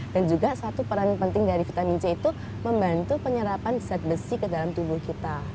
dan juga satu peran penting dari vitamin c itu membantu penyerapan zat besi ke dalam tubuh kita